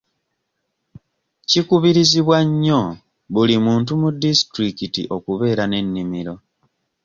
Kikubirizibwa nnyo buli muntu mu disitulikiti okubeera n'ennimiro.